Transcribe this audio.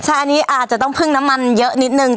ใช่อันนี้อาจจะต้องพึ่งน้ำมันเยอะนิดนึง